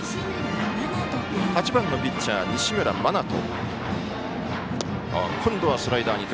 ８番、ピッチャー西村真人。